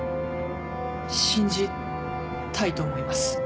信じたいと思います。